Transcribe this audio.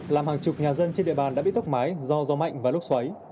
làm hàng chục nhà dân trên địa bàn đã bị tốc mái do gió mạnh và lốc xoáy